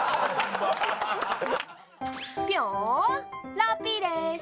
ラッピーです